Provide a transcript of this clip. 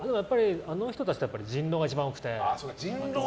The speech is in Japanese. あの人たちとは人狼が一番多くて。